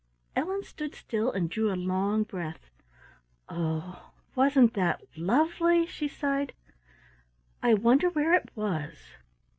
Ellen stood still and drew a long breath. "Oh! wasn't that lovely?" she sighed. "I wonder where it was!"